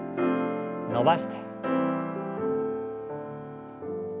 伸ばして。